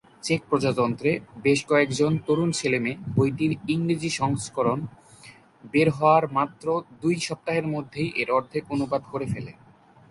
Check প্রজাতন্ত্রে, বেশ কয়েকজন তরুণ ছেলেমেয়ে বইটির ইংরেজি সংস্করণ বের হওয়ার মাত্র দুই সপ্তাহের মধ্যেই এর অর্ধেক অনুবাদ করে ফেলে।